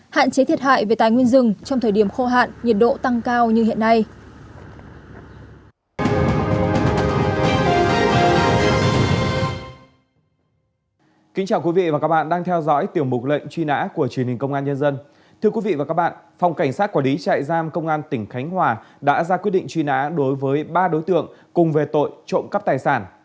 hạn chế thiệt hại về tài nguyên rừng trong thời điểm khô hạn nhiệt độ tăng cao như hiện nay